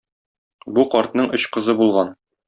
Бу картның өч кызы булган.